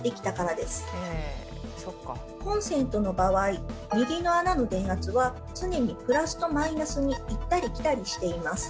コンセントの場合右の穴の電圧は常に「＋」と「−」に行ったり来たりしています。